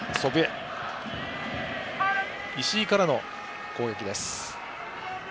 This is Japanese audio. この回は、石井からの攻撃です。